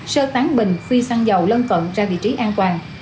sơ tán bình phi xăng dầu lân cận ra vị trí an toàn